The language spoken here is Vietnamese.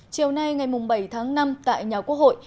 chiều nay ngày bảy tháng năm tại nhà quốc hội